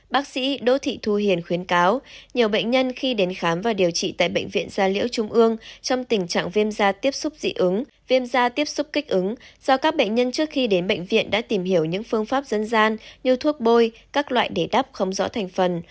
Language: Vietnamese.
bác sĩ đỗ thị thu hiền khuyến cáo nhiều bệnh nhân khi đến khám và điều trị tại bệnh viện gia liễu trung ương trong tình trạng viêm da tiếp xúc dị ứng viêm da tiếp xúc kích ứng do các bệnh nhân trước khi đến bệnh viện đã tìm hiểu những phương pháp dân gian như thuốc bôi các loại để đắp không rõ thành phần